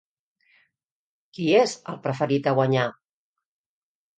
Qui és el preferit a guanyar?